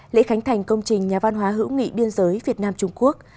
lễ khánh thành công trình nhà văn hóa hữu nghị biên giới việt nam trung quốc